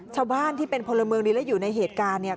ชาวบ้านที่เป็นพลเมืองดีและอยู่ในเหตุการณ์เนี่ย